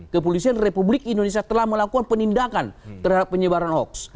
kepolisian republik indonesia telah melakukan penindakan terhadap penyebaran hoax